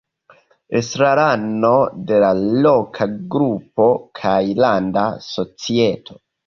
Estrarano de la loka grupo kaj landa societo.